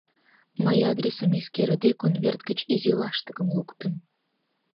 Мый, адресым эскерыде, конверт гыч изи лаштыкым луктым.